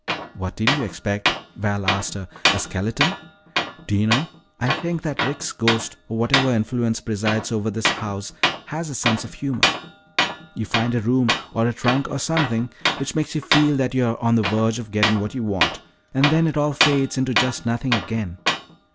"What did you expect," Val asked her, "a skeleton? Do you know, I think that Rick's ghost, or whatever influence presides over this house, has a sense of humor. You find a room, or a trunk, or something which makes you feel that you are on the verge of getting what you want, and then it all fades into just nothing again.